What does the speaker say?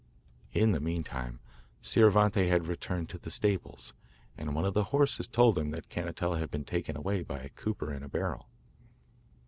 In the meantime Scioravante had returned to the stables, and one of the horses told him that Cannetella had been taken away by a cooper in a barrel.